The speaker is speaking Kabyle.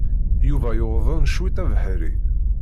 Yuba yuḍen cwiṭ abeḥri.